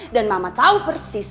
dan mama tau persis